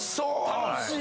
楽しい！